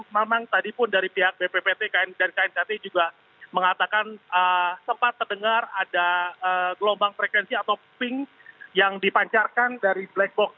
memang tadi pun dari pihak bppt dan knkt juga mengatakan sempat terdengar ada gelombang frekuensi atau pink yang dipancarkan dari black box